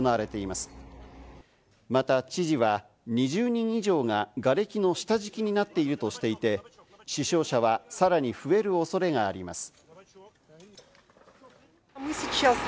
また知事は、２０人以上ががれきの下敷きになっているとしていて、死傷者はさらに増える恐れがあります。